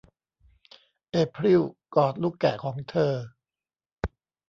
เอพริลกอดลูกแกะของเธอ